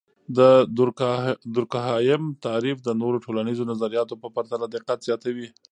د دورکهايم تعریف د نورو ټولنیزو نظریاتو په پرتله دقت زیاتوي.